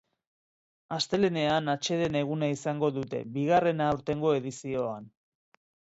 Astelehenean atseden eguna izango dute, bigarrena aurtengo edizioan.